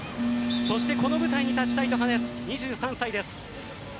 そしてこの舞台に立ちたいと話す２３歳です。